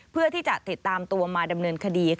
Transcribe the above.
เพื่อที่จะติดตามตัวมาดำเนินคดี